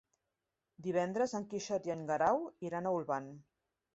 Divendres en Quixot i en Guerau iran a Olvan.